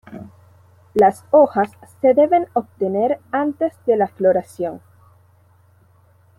Las hojas, se deben obtener antes de la floración.